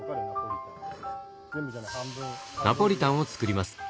ナポリタンを作ります。